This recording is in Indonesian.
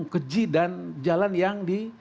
keji dan jalan yang